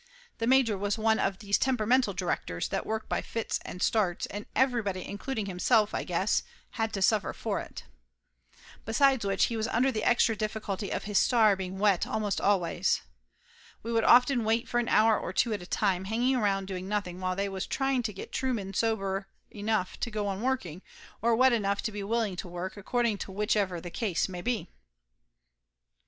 The major was one of these tem peramental directors that work by fits and starts, and everybody including himself, I guess, had to suffer for it. Besides which he was under the extra difficulty of his star being wet almost always. We would often wait for a hour or two at a time, hanging around doing nothing, while they was trying to get Trueman sober enough to go on working, or wet enough to be willing to work, according to whichever the case might be.